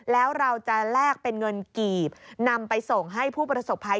แล้วเราจะแลกเป็นเงินกีบนำไปส่งให้ผู้ประสบภัย